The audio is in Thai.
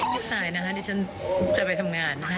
ไม่ตายนี่่ฉันจะไปทำงานนะฮะ